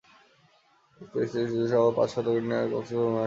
ঈদের দিন স্ত্রীসহ পরিবারের পাঁচ সদস্যকে নিয়ে কক্সবাজার ভ্রমণে আসেন তিনি।